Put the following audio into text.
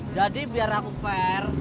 jadi biar aku fair